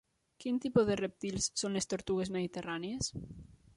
Quin tipus de rèptils són les tortugues mediterrànies?